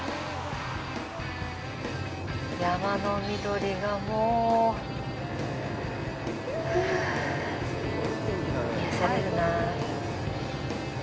山の緑がもう、癒やされるなぁ。